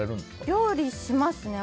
料理しますね。